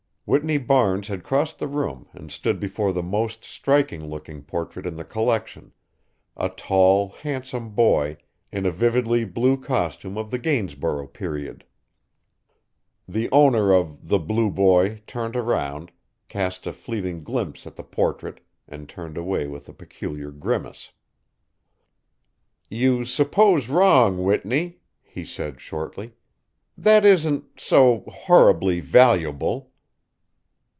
Whitney Barnes had crossed the room and stood before the most striking looking portrait in the collection, a tall, handsome boy in a vividly blue costume of the Gainsborough period. The owner of "The Blue Boy" turned around, cast a fleeting glimpse at the portrait and turned away with a peculiar grimace. "You suppose wrong, Whitney," he said, shortly. "That isn't so horribly valuable."